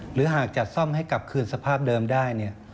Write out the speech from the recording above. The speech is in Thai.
หรือหากจะซ่อมให้กลับคืนสภาพเดิมได้